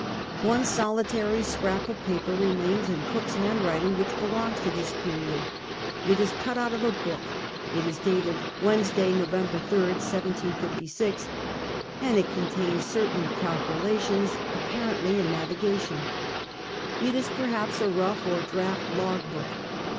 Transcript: One solitary scrap of paper re mains in Cook's handwriting which belongs to this period. It is cut out of a book, it is dated "Wednesday, Nov. 3rd, 175G," and it contains certain calculations, appar ently in navigsition. It is jH^rhaps a rough or draft log book.